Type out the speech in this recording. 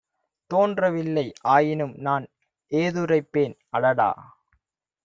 தோன்றவில்லை; ஆயினும்நான் ஏதுரைப்பேன் அடடா!